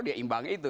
dia imbang itu